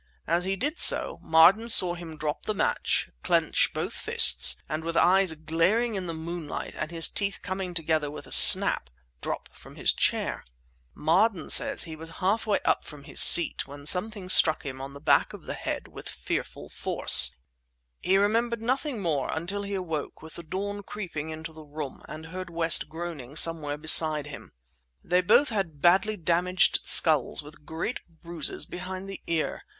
As he did so, Marden saw him drop the match, clench both fists, and with eyes glaring in the moonlight and his teeth coming together with a snap, drop from his chair. "Marden says that he was half up from his seat when something struck him on the back of the head with fearful force. He remembered nothing more until he awoke, with the dawn creeping into the room, and heard West groaning somewhere beside him. They both had badly damaged skulls with great bruises behind the ear.